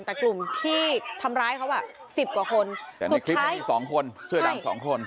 แต่กลุ่มที่ทำร้ายเขาอ่ะสิบกว่าคนแต่ในคลิปมันมีสองคนเสื้อดำสองคน